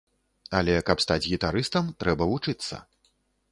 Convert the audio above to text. Але каб стаць гітарыстам, трэба вучыцца.